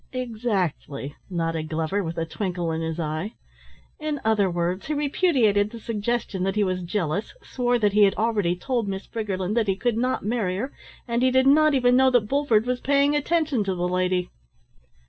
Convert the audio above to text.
"Exactly," nodded Glover with a twinkle in his eye. "In other words, he repudiated the suggestion that he was jealous, swore that he had already told Miss Briggerland that he could not marry her, and he did not even know that Bulford was paying attention to the lady."